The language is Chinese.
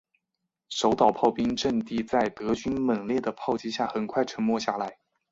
守岛炮兵阵地在德军猛烈的炮击下很快沉默下来。